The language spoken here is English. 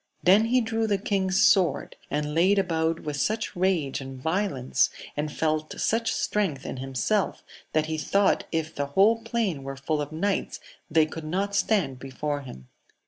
Then he drew the king's sword, and laid about with such rage and violence, and felt such strength in him self, that he thought if the whole plain were full of knights they could not stand before him.